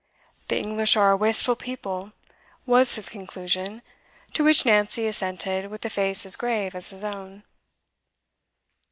'The English are a wasteful people,' was his conclusion; to which Nancy assented with a face as grave as his own.